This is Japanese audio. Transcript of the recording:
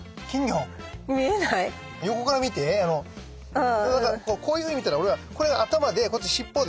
横から見てこういうふうに見たらこれが頭でこっち尻尾で。